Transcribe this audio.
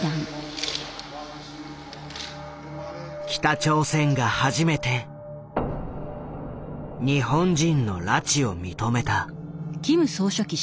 北朝鮮が初めて日本人の拉致を認めた。